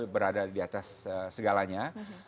berada di atas segalanya